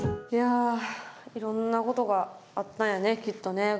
いやいろんなことがあったんやねきっとね。